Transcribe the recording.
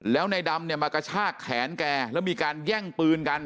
แล้วในดำเนี่ยมากระชากแขนแกแล้วมีการแย่งปืนกัน